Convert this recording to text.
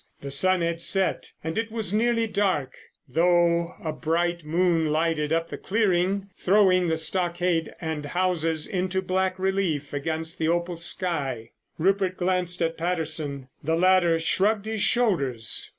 The sun had set and it was nearly dark, though a bright moon lighted up the clearing, throwing the stockade and houses into black relief against the opal sky. Rupert glanced at Patterson. The latter shrugged his shoulders.